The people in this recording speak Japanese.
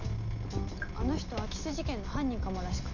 あの人空き巣事件の犯人かもらしくて。